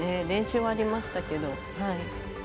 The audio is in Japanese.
練習はありましたけど。